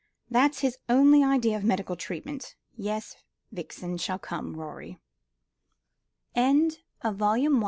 That's his only idea of medical treatment. Yes, Vixen shall come, Rorie." CHAPTER VIII.